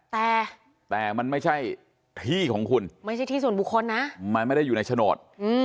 แต่แต่มันไม่ใช่ที่ของคุณไม่ใช่ที่ส่วนบุคคลนะมันไม่ได้อยู่ในโฉนด